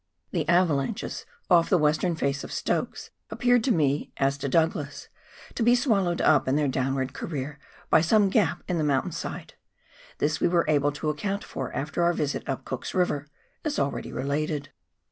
The avalanches off the western face of Stokes appeared to me, as to Douglas, to be swallowed up in their downward career by some gap in the mountain side. This we were able to account for after our visit up Cook's River, as already related.